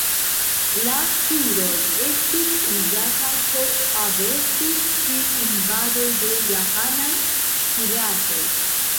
La turoj estis uzataj por averti pri invadoj de japanaj piratoj.